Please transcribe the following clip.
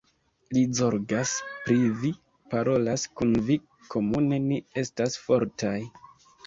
Li zorgas pri vi, parolas kun vi, komune ni estas fortaj.